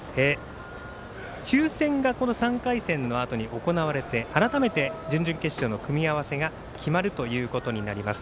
抽選がこの３回戦のあとに行われて改めて準々決勝の組み合わせが決まるということになります。